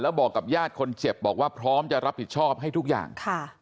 บอกกับญาติคนเจ็บบอกว่าพร้อมจะรับผิดชอบให้ทุกอย่าง